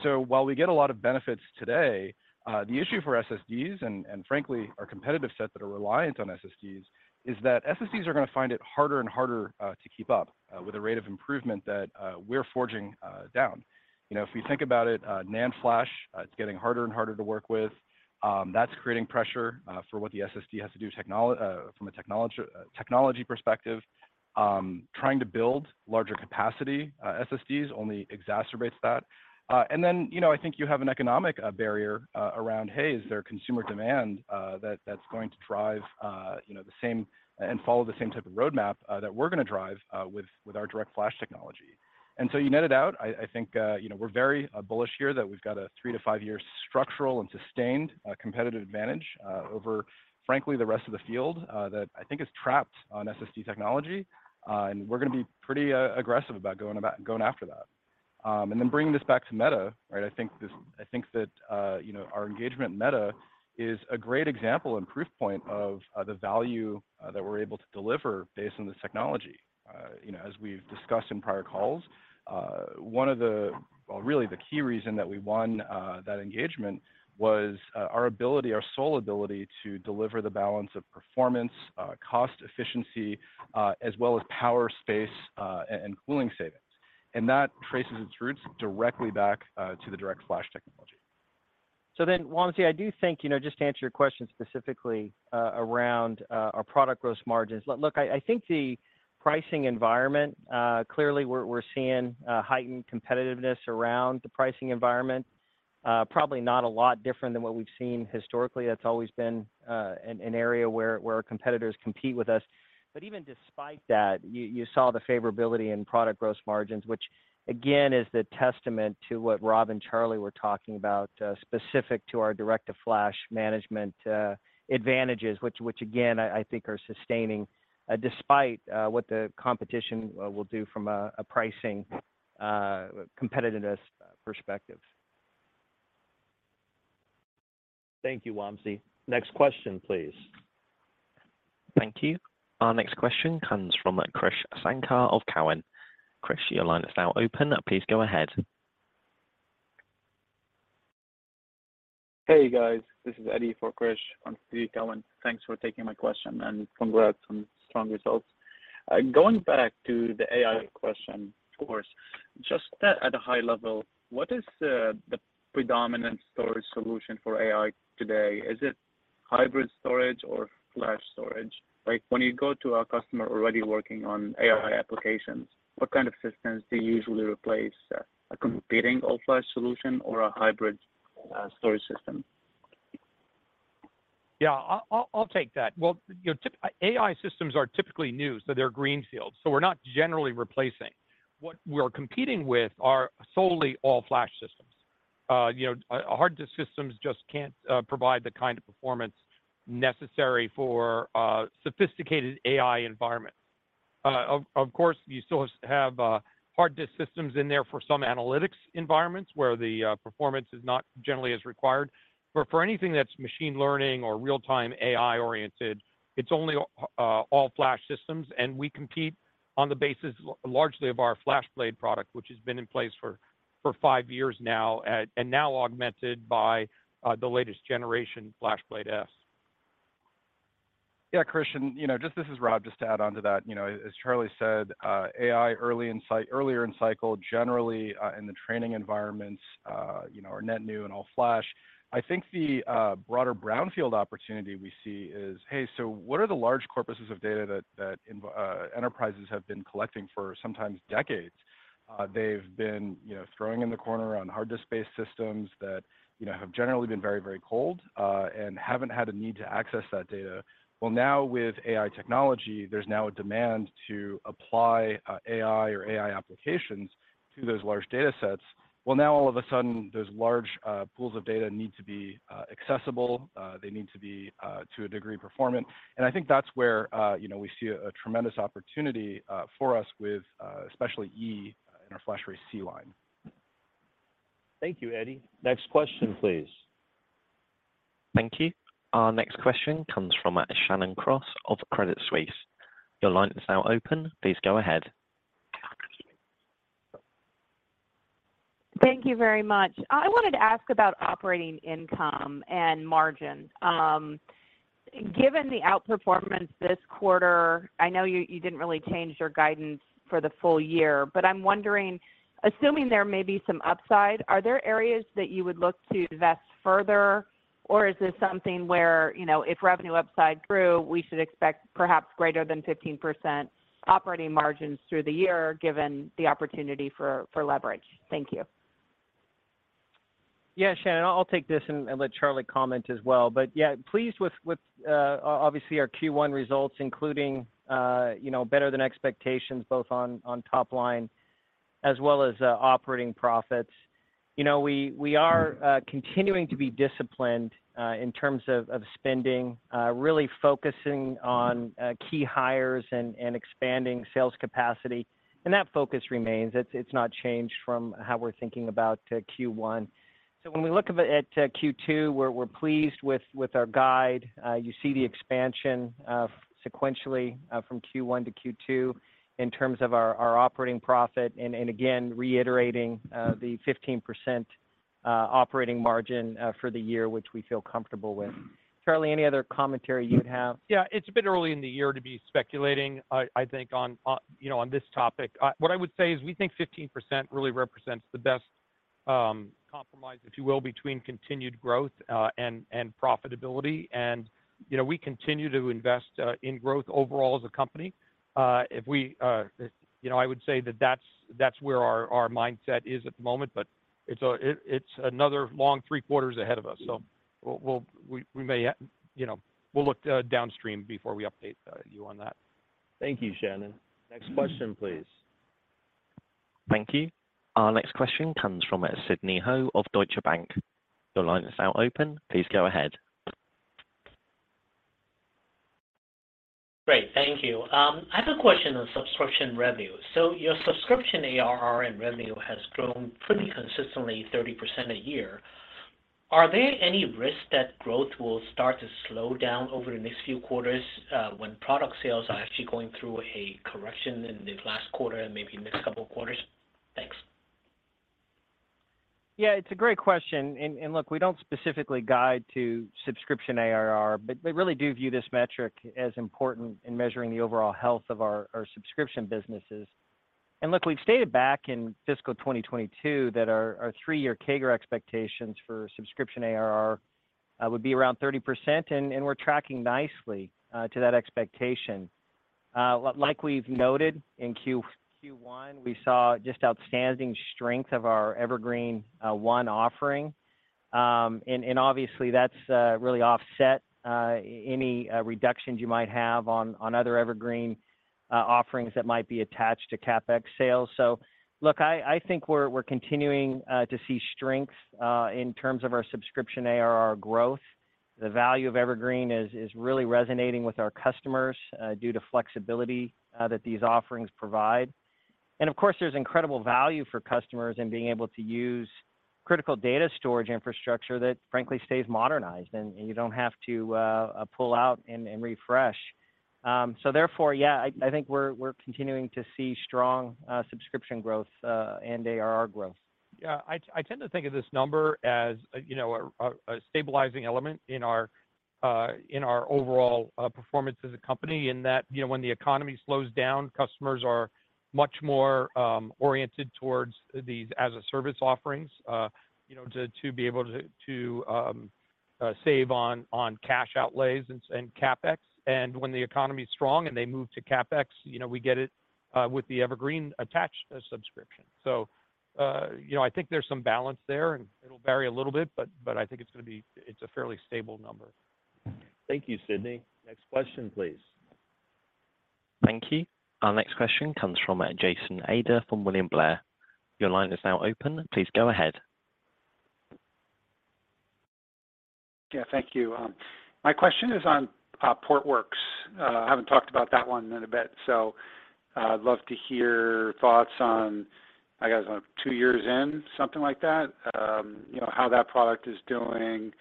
While we get a lot of benefits today, the issue for SSDs and frankly, our competitive set that are reliant on SSDs, is that SSDs are gonna find it harder and harder to keep up with the rate of improvement that we're forging down. You know, if you think about it, NAND flash, it's getting harder and harder to work with. That's creating pressure for what the SSD has to do from a technology perspective. Trying to build larger capacity SSDs only exacerbates that. Then, you know, I think you have an economic barrier around, hey, is there consumer demand that that's going to drive, you know, the same and follow the same type of roadmap that we're gonna drive with our DirectFlash technology? So you net it out, I think, you know, we're very bullish here that we've got a three to five-year structural and sustained competitive advantage over, frankly, the rest of the field that I think is trapped on SSD technology. We're gonna be pretty aggressive about going after that. Then bringing this back to Meta, right? I think that, you know, our engagement in Meta is a great example and proof point of the value that we're able to deliver based on this technology. you know, as we've discussed in prior calls, Well, really the key reason that we won that engagement was our ability, our sole ability to deliver the balance of performance, cost efficiency, as well as power, space, and cooling savings. That traces its roots directly back to the direct flash technology. Wamsi, I do think, you know, just to answer your question specifically, around our product gross margins. Look, I think the pricing environment, clearly we're seeing heightened competitiveness around the pricing environment. Probably not a lot different than what we've seen historically. That's always been an area where our competitors compete with us. Even despite that, you saw the favorability in product gross margins, which again, is the testament to what Rob and Charlie were talking about, specific to our direct to flash management advantages, which again, I think are sustaining despite what the competition will do from a pricing competitiveness perspective. Thank you, Wamsi. Next question, please. Thank you. Our next question comes from Krish Sankar of Cowen. Krish, your line is now open. Please go ahead. Hey, guys. This is Eddie for Krish on Cowen. Thanks for taking my question, and congrats on strong results. Going back to the AI question, of course, just at a high level, what is the predominant storage solution for AI today? Is it hybrid storage or flash storage? Like, when you go to a customer already working on AI applications, what kind of systems do you usually replace, a competing all-flash solution or a hybrid storage system? Yeah, I'll take that. You know, AI systems are typically new, so they're greenfields, so we're not generally replacing. What we're competing with are solely all-flash systems. You know, hard disk systems just can't provide the kind of performance necessary for a sophisticated AI environment. Of course, you still have hard disk systems in there for some analytics environments, where the performance is not generally as required. For anything that's machine learning or real-time AI-oriented, it's only all-flash systems, and we compete on the basis largely of our FlashBlade product, which has been in place for five years now, and now augmented by the latest generation, FlashBlade//S. Yeah, Krish, you know, just this is Rob, just to add on to that. As Charlie said, AI, earlier in cycle, generally, in the training environments, you know, are net new and all flash. I think the broader brownfield opportunity we see is, hey, so what are the large corpuses of data that enterprises have been collecting for sometimes decades? They've been, you know, throwing in the corner on hard disk-based systems that, you know, have generally been very, very cold, and haven't had a need to access that data. Now with AI technology, there's now a demand to apply AI or AI applications to those large data sets. Well, now all of a sudden, those large pools of data need to be accessible, they need to be to a degree, performant. I think that's where you know, we see a tremendous opportunity for us with especially E in our FlashArray//C line. Thank you, Eddie. Next question, please. Thank you. Our next question comes from Shannon Cross of Credit Suisse. Your line is now open. Please go ahead. Thank you very much. I wanted to ask about operating income and margins. Given the outperformance this quarter, I know you didn't really change your guidance for the full year, I'm wondering, assuming there may be some upside, are there areas that you would look to invest further? Is this something where, you know, if revenue upside grew, we should expect perhaps greater than 15% operating margins through the year, given the opportunity for leverage? Thank you. Yeah, Shannon, I'll take this and let Charlie comment as well. Yeah, pleased with obviously our Q1 results, including, you know, better than expectations, both on top line as well as operating profits. You know, we are continuing to be disciplined in terms of spending, really focusing on key hires and expanding sales capacity, and that focus remains. It's not changed from how we're thinking about Q1. When we look at Q2, we're pleased with our guide. You see the expansion sequentially from Q1 to Q2 in terms of our operating profit and again reiterating the 15% operating margin for the year, which we feel comfortable with. Charlie, any other commentary you'd have? Yeah, it's a bit early in the year to be speculating, I think on, you know, on this topic. What I would say is we think 15% really represents the best compromise, if you will, between continued growth, and profitability. You know, we continue to invest in growth overall as a company. If we, you know, I would say that's where our mindset is at the moment, but it's another long three quarters ahead of us. We may, you know, we'll look downstream before we update you on that. Thank you, Shannon. Next question, please. Thank you. Our next question comes from Sidney Ho of Deutsche Bank. Your line is now open. Please go ahead. Great. Thank you. I have a question on subscription revenue. Your subscription ARR and revenue has grown pretty consistently, 30% a year. Are there any risks that growth will start to slow down over the next few quarters when product sales are actually going through a correction in the last quarter and maybe next couple of quarters? Thanks. Yeah, it's a great question, and look, we don't specifically guide to subscription ARR, but we really do view this metric as important in measuring the overall health of our subscription businesses. Look, we've stated back in fiscal 2022 that our three-year CAGR expectations for subscription ARR would be around 30%, and we're tracking nicely to that expectation. Like we've noted in Q1, we saw just outstanding strength of our Evergreen//One offering. Obviously, that's really offset any reductions you might have on other Evergreen offerings that might be attached to CapEx sales. Look, I think we're continuing to see strength in terms of our subscription ARR growth. The value of Evergreen is really resonating with our customers due to flexibility that these offerings provide. Of course, there's incredible value for customers in being able to use critical data storage infrastructure that frankly stays modernized, and you don't have to pull out and refresh. Therefore, yeah, I think we're continuing to see strong subscription growth and ARR growth. Yeah, I tend to think of this number as a, you know, a, a stabilizing element in our, in our overall performance as a company, in that, you know, when the economy slows down, customers are much more oriented towards these as-a-service offerings, you know, to be able to save on cash outlays and CapEx. When the economy is strong and they move to CapEx, you know, we get it, with the Evergreen attached subscription. You know, I think there's some balance there, and it'll vary a little bit, but I think it's a fairly stable number. Thank you, Sidney. Next question, please. Thank you. Our next question comes from Jason Ader from William Blair. Your line is now open. Please go ahead. Yeah, thank you. My question is on Portworx. I haven't talked about that one in a bit, so I'd love to hear thoughts on, I guess, two years in, something like that, you know, how that product is doing.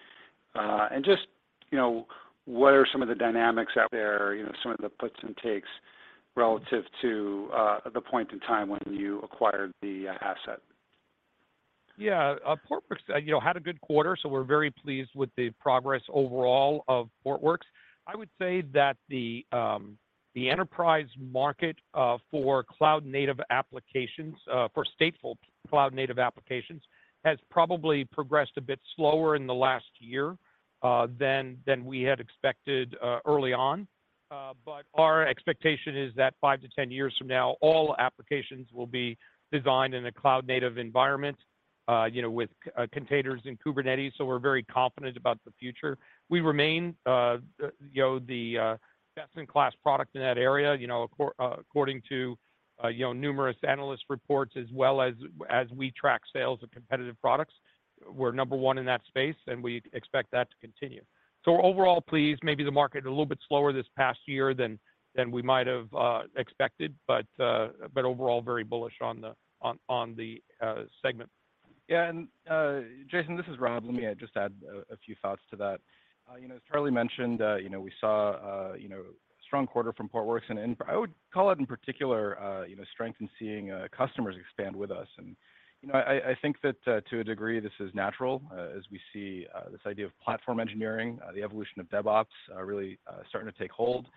Just, you know, what are some of the dynamics out there, you know, some of the puts and takes relative to the point in time when you acquired the asset? Portworx, you know, had a good quarter. We're very pleased with the progress overall of Portworx. I would say that the enterprise market for cloud native applications, for stateful cloud native applications, has probably progressed a bit slower in the last year than we had expected early on. Our expectation is that 5 to 10 years from now, all applications will be designed in a cloud native environment, you know, with containers and Kubernetes. We're very confident about the future. We remain, you know, the best-in-class product in that area, you know, according to, you know, numerous analyst reports, as well as we track sales of competitive products. We're number 1 in that space, and we expect that to continue. Overall, pleased, maybe the market a little bit slower this past year than we might have expected, but overall, very bullish on the segment. Yeah, Jason, this is Rob. Let me just add a few thoughts to that. You know, as Charlie mentioned, you know, we saw, you know, a strong quarter from Portworx, and I would call it in particular, you know, strength in seeing customers expand with us. You know, I think that, to a degree, this is natural, as we see this idea of platform engineering, the evolution of DevOps, really starting to take hold.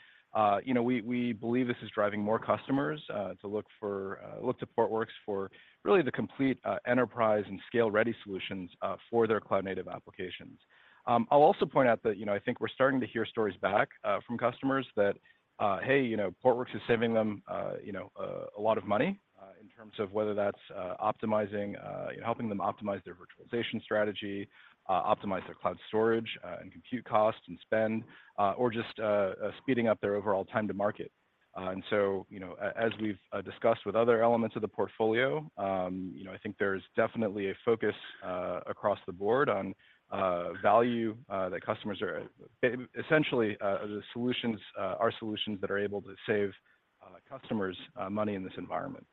You know, we believe this is driving more customers to look for, look to Portworx for really the complete enterprise and scale-ready solutions for their cloud-native applications. I'll also point out that, you know, I think we're starting to hear stories back from customers that, hey, you know, Portworx is saving them, you know, a lot of money in terms of whether that's optimizing, helping them optimize their virtualization strategy, optimize their cloud storage, and compute costs and spend, or just speeding up their overall time to market. You know, as we've discussed with other elements of the portfolio, you know, I think there's definitely a focus across the board on value that customers are essentially the solutions are solutions that are able to save customers money in this environment.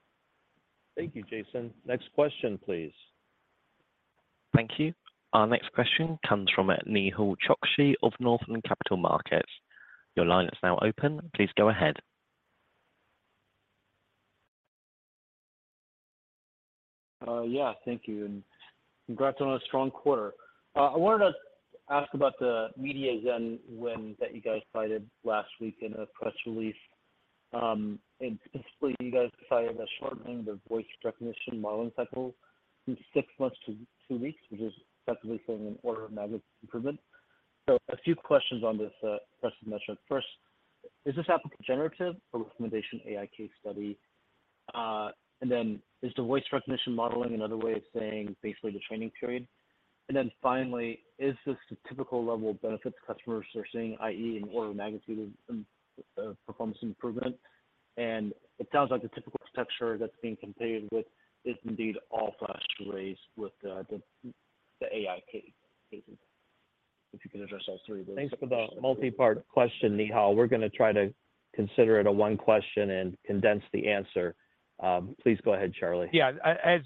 Thank you, Jason. Next question, please. Thank you. Our next question comes from Nehal Chokshi of Northland Capital Markets. Your line is now open. Please go ahead. Yeah, thank you, and congrats on a strong quarter. I wanted to ask about the MediaZen win that you guys cited last week in a press release. Specifically, you guys cited a shortening of the voice recognition modeling cycle from 6 months to 2 weeks, which is definitely an order of magnitude improvement. A few questions on this press metric. First, is this applicable generative or recommendation AI case study? Is the voice recognition modeling another way of saying basically the training period? Finally, is this a typical level of benefit to customers they're seeing, i.e., an order of magnitude of performance improvement? It sounds like the typical structure that's being competed with is indeed all flash arrays with the AI case pieces. If you can address all 3 of those- Thanks for the multi-part question, Nehal. We're going to try to consider it a one question and condense the answer. Please go ahead, Charlie. As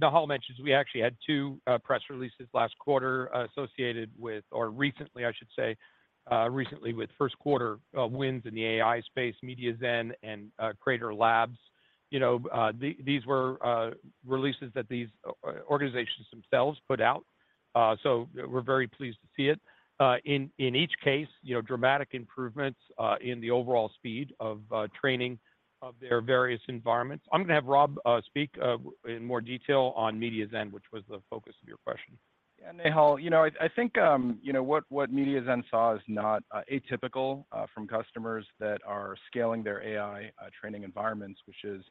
Nehal mentioned, we actually had two press releases last quarter associated with, or recently, I should say, recently with 1st quarter wins in the AI space, MediaZen and Cradle Labs. You know, these were releases that these organizations themselves put out, so we're very pleased to see it. In each case, you know, dramatic improvements in the overall speed of training of their various environments. I'm going to have Rob speak in more detail on MediaZen, which was the focus of your question. Nehal, you know, I think, you know, what MediaZen saw is not atypical from customers that are scaling their AI training environments, which is,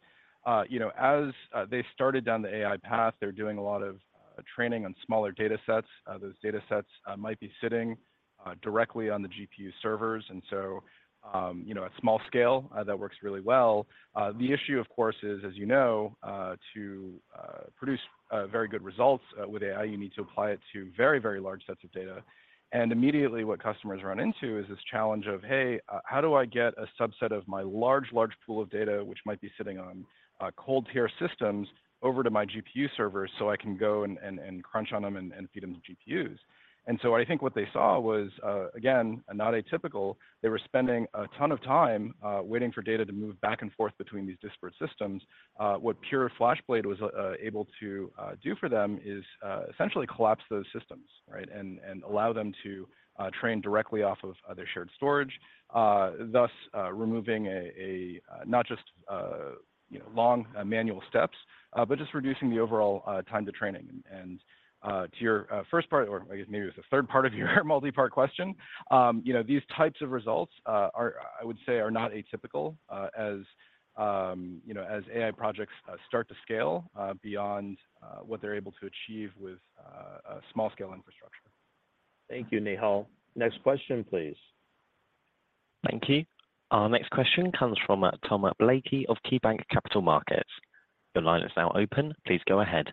you know, as they started down the AI path, they're doing a lot of training on smaller data sets. Those data sets might be sitting directly on the GPU servers, you know, at small scale, that works really well. The issue, of course, is, as you know, to produce very good results with AI, you need to apply it to very large sets of data. Immediately, what customers run into is this challenge of, "Hey, how do I get a subset of my large pool of data, which might be sitting on cold tier systems, over to my GPU server so I can go and crunch on them and feed them to GPUs?" I think what they saw was, again, not atypical. They were spending a ton of time waiting for data to move back and forth between these disparate systems. What Pure FlashBlade was able to do for them is essentially collapse those systems, right? Allow them to train directly off of other shared storage, thus removing a not just, you know, long manual steps, but just reducing the overall time to training. To your first part, or I guess maybe it was the third part of your multipart question, you know, these types of results are, I would say, not atypical as, you know, as AI projects start to scale beyond what they're able to achieve with a small-scale infrastructure. Thank you, Nehal. Next question, please. Thank you. Our next question comes from Thomas Blakey of KeyBanc Capital Markets. Your line is now open. Please go ahead.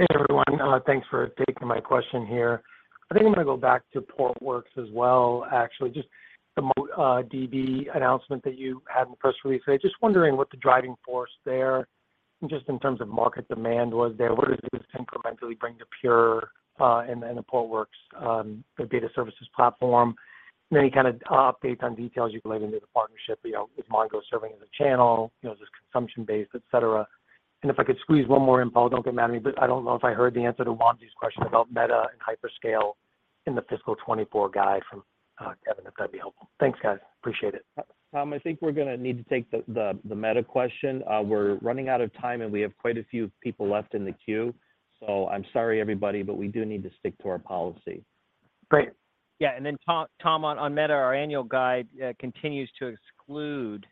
Hey, everyone. Thanks for taking my question here. I think I'm going to go back to Portworx as well, actually, just the MongoDB announcement that you had in the press release today. Just wondering what the driving force there, just in terms of market demand, was there? What does this incrementally bring to Pure, and the Portworx, the data services platform? Any kind of updates on details you can leave into the partnership? You know, is Mongo serving as a channel, you know, just consumption-based, et cetera. If I could squeeze one more in, Paul, don't get mad at me, but I don't know if I heard the answer to Wamsi's question about Meta and hyperscale in the fiscal 2024 guide from Kevan, if that'd be helpful. Thanks, guys. Appreciate it. Tom, I think we're going to need to take the Meta question. We're running out of time, and we have quite a few people left in the queue, so I'm sorry, everybody, but we do need to stick to our policy. Great. Tom, on Meta, our annual guide continues to exclude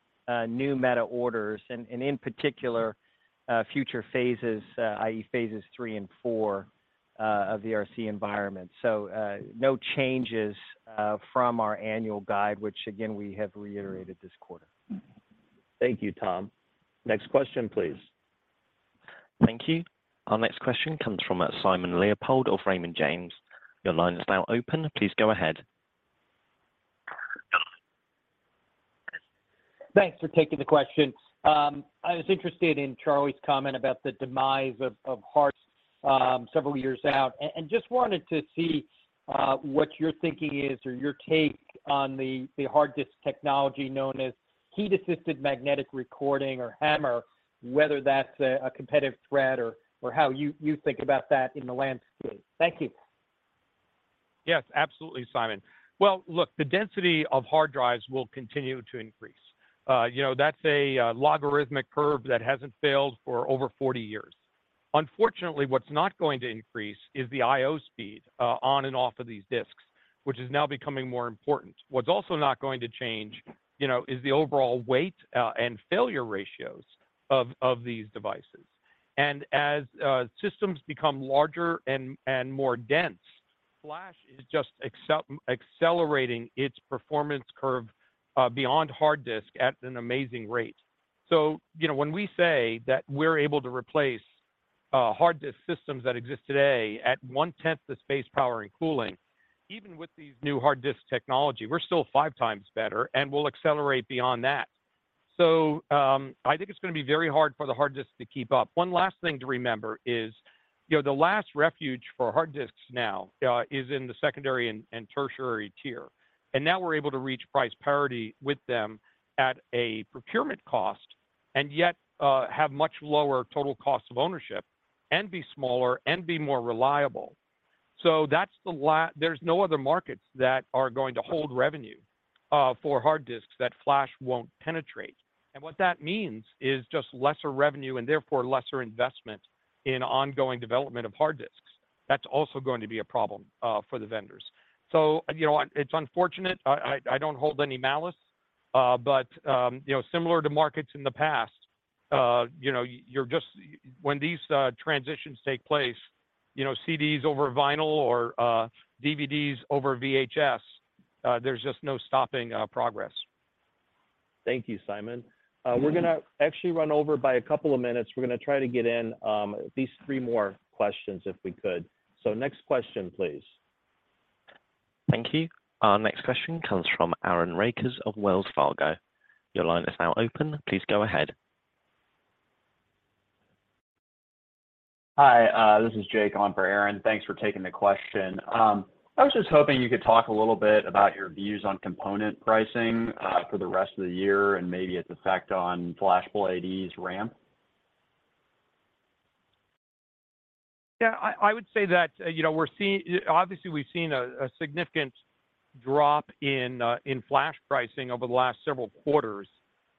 new Meta orders and in particular future phases, i.e., phases three and four, of the RC environment. No changes from our annual guide, which again, we have reiterated this quarter. Thank you, Tom. Next question, please. Thank you. Our next question comes from Simon Leopold of Raymond James. Your line is now open. Please go ahead. Thanks for taking the question. I was interested in Charlie's comment about the demise of HDDs several years out, and just wanted to see what your thinking is or your take on the hard disk technology known as heat-assisted magnetic recording or HAMR, whether that's a competitive threat or how you think about that in the landscape. Thank you. Yes, absolutely, Simon. Well, look, the density of hard drives will continue to increase. You know, that's a logarithmic curve that hasn't failed for over 40 years. Unfortunately, what's not going to increase is the IO speed on and off of these disks, which is now becoming more important. What's also not going to change, you know, is the overall weight and failure ratios of these devices. As systems become larger and more dense, flash is just accelerating its performance curve beyond hard disk at an amazing rate. You know, when we say that we're able to replace hard disk systems that exist today at 1/10 the space, power, and cooling, even with these new hard disk technology, we're still five times better, and we'll accelerate beyond that. I think it's going to be very hard for the hard disks to keep up. One last thing to remember is, you know, the last refuge for hard disks now, is in the secondary and tertiary tier. Now we're able to reach price parity with them at a procurement cost, and yet, have much lower total cost of ownership and be smaller and be more reliable. That's there's no other markets that are going to hold revenue for hard disks that flash won't penetrate. What that means is just lesser revenue and therefore lesser investment in ongoing development of hard disks. That's also going to be a problem for the vendors. You know what? It's unfortunate. I don't hold any malice, but, you know, similar to markets in the past, you know, When these transitions take place, you know, CDs over vinyl or DVDs over VHS, there's just no stopping progress. Thank you, Simon. We're going to actually run over by a couple of minutes. We're going to try to get in, at least three more questions if we could. Next question, please. Thank you. Our next question comes from Aaron Rakers of Wells Fargo. Your line is now open. Please go ahead. Hi, this is Jake on for Aaron. Thanks for taking the question. I was just hoping you could talk a little bit about your views on component pricing for the rest of the year and maybe its effect on FlashBlade's ramp. Yeah, I would say that, you know, we're seeing. Obviously, we've seen a significant drop in flash pricing over the last several quarters.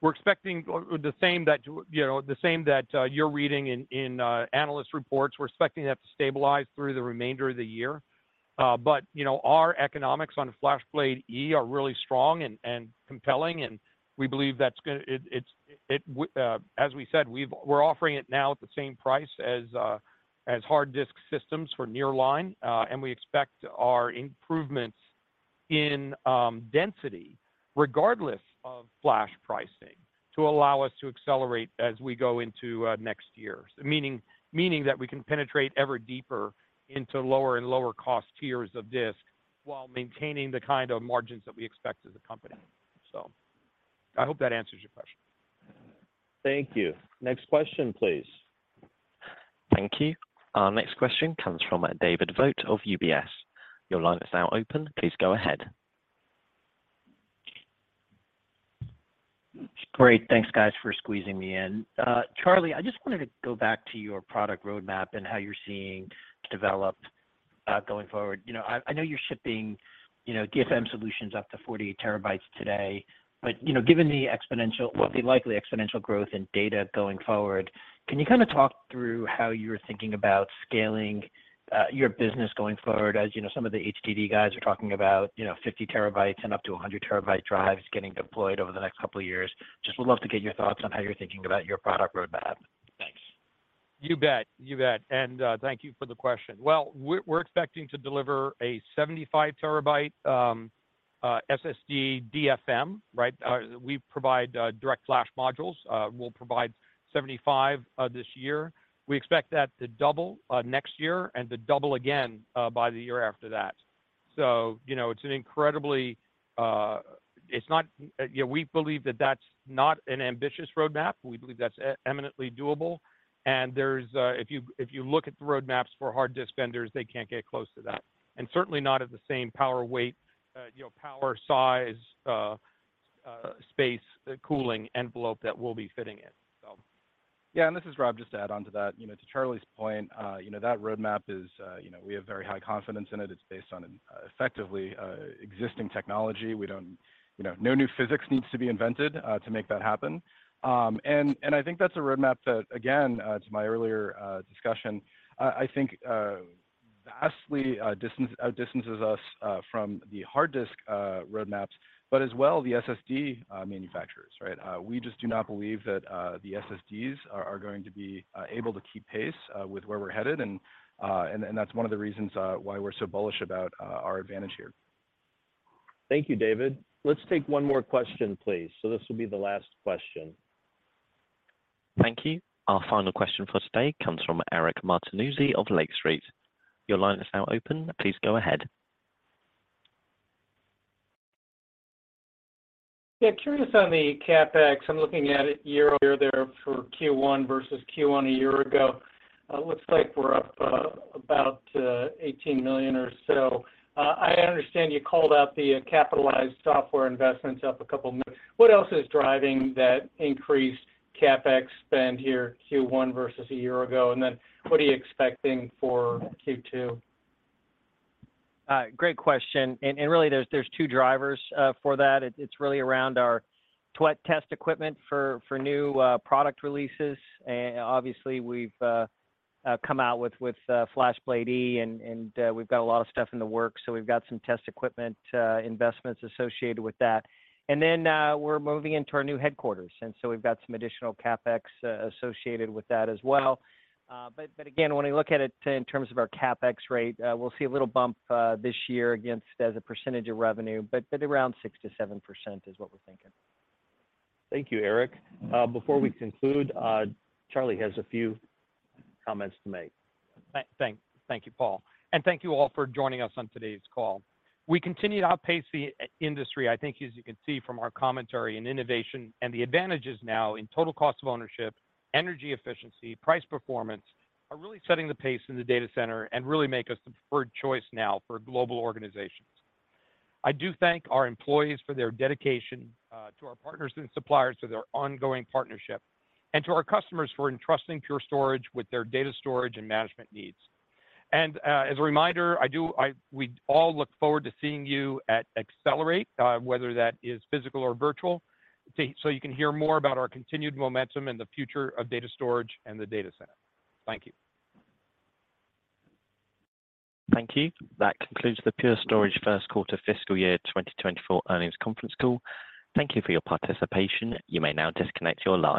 We're expecting the same that, you know, the same that you're reading in analyst reports. We're expecting that to stabilize through the remainder of the year. You know, our economics on FlashBlade E are really strong and compelling, and we believe that's gonna. As we said, we're offering it now at the same price as hard disk systems for nearline. We expect our improvements in density, regardless of flash pricing, to allow us to accelerate as we go into next year. Meaning that we can penetrate ever deeper into lower and lower cost tiers of disk while maintaining the kind of margins that we expect as a company. I hope that answers your question. Thank you. Next question, please. Thank you. Our next question comes from David Vogt of UBS. Your line is now open. Please go ahead. Great. Thanks, guys, for squeezing me in. Charlie, I just wanted to go back to your product roadmap and how you're seeing it developed going forward. You know, I know you're shipping, you know, DFM solutions up to 40 terabytes today, but, you know, given the exponential, well, the likely exponential growth in data going forward, can you kind of talk through how you're thinking about scaling your business going forward? As you know, some of the HDD guys are talking about, you know, 50 terabytes and up to 100 terabyte drives getting deployed over the next couple of years. Just would love to get your thoughts on how you're thinking about your product roadmap. Thanks. You bet. You bet. Thank you for the question. Well, we're expecting to deliver a 75 terabyte SSD DFM, right? We provide direct flash modules. We'll provide 75 this year. We expect that to double next year and to double again by the year after that. You know, it's an incredibly, it's not. Yeah, we believe that that's not an ambitious roadmap. We believe that's eminently doable. There's, if you, if you look at the roadmaps for hard disk vendors, they can't get close to that, and certainly not at the same power, weight, you know, power, size, space, cooling envelope that we'll be fitting in. Yeah, this is Rob, just to add on to that. You know, to Charlie's point, you know, that roadmap is, you know, we have very high confidence in it. It's based on, effectively, existing technology. We don't. You know, no new physics needs to be invented to make that happen. I think that's a roadmap that, again, to my earlier discussion, I think vastly distances us from the hard disk roadmaps, but as well, the SSD manufacturers, right? We just do not believe that the SSDs are going to be able to keep pace with where we're headed. That's one of the reasons why we're so bullish about our advantage here. Thank you, David. Let's take one more question, please. This will be the last question. Thank you. Our final question for today comes from Eric Martinuzzi of Lake Street. Your line is now open. Please go ahead. Yeah, curious on the CapEx. I'm looking at it year-over-year there for Q1 versus Q1 a year ago. looks like we're up about $18 million or so. I understand you called out the capitalized software investments up a couple million. What else is driving that increased CapEx spend here, Q1 versus a year ago? What are you expecting for Q2? Great question, and really, there's two drivers for that. It's really around our test equipment for new product releases. Obviously, we've come out with FlashBlade//E, and we've got a lot of stuff in the works. We've got some test equipment investments associated with that. Then, we're moving into our new headquarters, we've got some additional CapEx associated with that as well. But again, when we look at it in terms of our CapEx rate, we'll see a little bump this year against as a percentage of revenue, but around 6%-7% is what we're thinking. Thank you, Eric. Before we conclude, Charlie has a few comments to make. Thank you, Paul, and thank you all for joining us on today's call. We continue to outpace the industry. I think as you can see from our commentary in innovation, and the advantages now in total cost of ownership, energy efficiency, price performance, are really setting the pace in the data center and really make us the preferred choice now for global organizations. I do thank our employees for their dedication to our partners and suppliers, to their ongoing partnership, and to our customers for entrusting Pure Storage with their data storage and management needs. As a reminder, we all look forward to seeing you at Accelerate, whether that is physical or virtual, so you can hear more about our continued momentum and the future of data storage and the data center. Thank you. Thank you. That concludes the Pure Storage first quarter fiscal year 2024 earnings conference call. Thank you for your participation. You may now disconnect your line